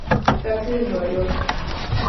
Taxi de Nueva York.